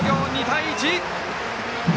２対１！